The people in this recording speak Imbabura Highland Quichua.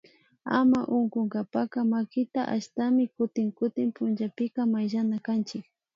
Ama unkunkapacka makita ashtami kutin kutin pullapika mayllanakanchik